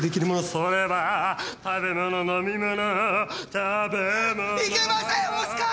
「それは食べ物飲み物食べ物」いけませんオスカー！